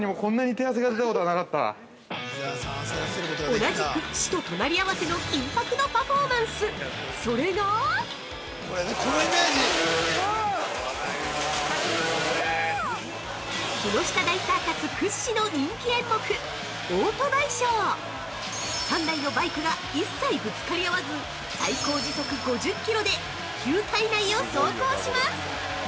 ◆同じく死と隣り合わせの緊迫のパフォーマンス、それが木下大サーカス屈指の人気演目「オートバイショー」３台のバイクが一切ぶつかり合わず、最高時速５０キロで球体内を走行します！